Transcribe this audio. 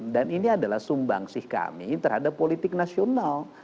dan ini adalah sumbangsih kami terhadap politik nasional